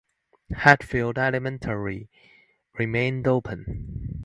Hatfield Elementary remained open.